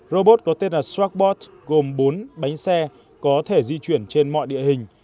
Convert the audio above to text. robot có tên là strackpot gồm bốn bánh xe có thể di chuyển trên mọi địa hình